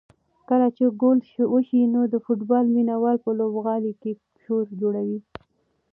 کله چې ګول وشي نو د فوټبال مینه وال په لوبغالي کې شور جوړوي.